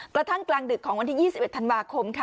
กระทั่งกลางดึกของวันที่๒๑ธันวาคมค่ะ